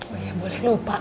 oh ya boleh lupa